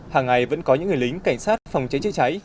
hàng ngày vẫn có những người lính cảnh sát phòng cháy chữa cháy